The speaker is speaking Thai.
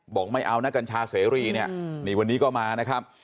บอกไม่เอานักกัญชาเสรีนี่วันนี้ก็มานะครับ